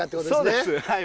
そうですはい。